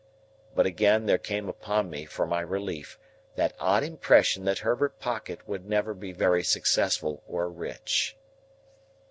But again there came upon me, for my relief, that odd impression that Herbert Pocket would never be very successful or rich.